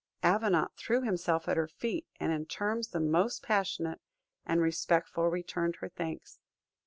Avenant threw himself at her feet, and in terms the most passionate and respectful returned her thanks.